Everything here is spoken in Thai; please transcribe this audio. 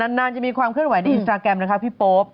นานจะมีความเคลื่อนไหวในอินสตราแกรมนะคะพี่โป๊ป